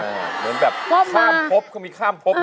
เหมือนแบบข้ามพบก็มีข้ามพบ